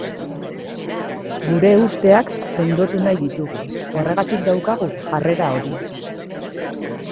Gure usteak sendotu nahi ditugu, horregatik daukagu jarrera hori.